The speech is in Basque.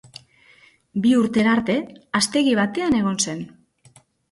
Bi urtera arte haztegi batean egon zen.